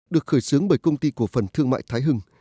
được khởi xướng bởi công ty cổ phần thương mại thái hưng